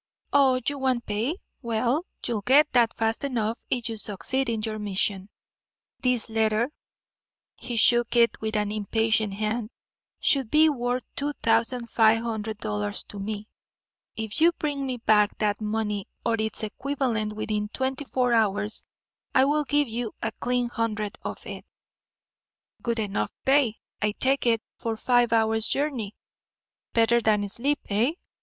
"Oh, you want pay? Well, you'll get that fast enough if you succeed in your mission. This letter" he shook it with an impatient hand "should be worth two thousand five hundred dollars to me. If you bring me back that money or its equivalent within twenty four hours, I will give you a clean hundred of it. Good enough pay, I take it, for five hours' journey. Better than sleep, eh?